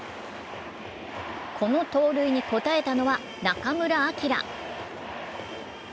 この盗塁に応えたのは中村晃。